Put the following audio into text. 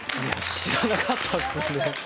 知らなかったです。